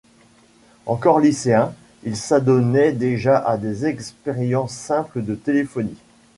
Encore lycéen, il s’adonnait déjà à des expériences simples de téléphonie.